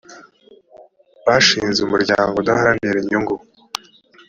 bashinze umuryango udaharanira inyungu